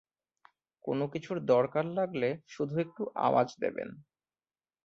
কোনো কিছুর দরকার লাগলে শুধু একটু আওয়াজ দেবেন!